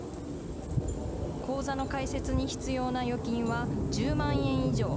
口座の開設に必要な預金は１０万円以上。